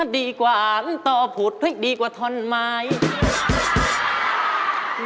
ดีกว่าต่อภูตก็ดีกว่าทอนไมค์